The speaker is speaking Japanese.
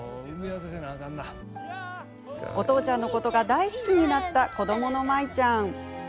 お父ちゃんのことが大好きになった子どもの舞ちゃん。